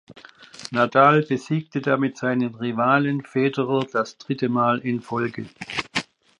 Nadal besiegte damit seinen Rivalen Federer das dritte Mal in Folge.